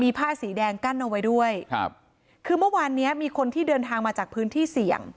ผ้าสีแดงกั้นเอาไว้ด้วยครับคือเมื่อวานเนี้ยมีคนที่เดินทางมาจากพื้นที่เสี่ยง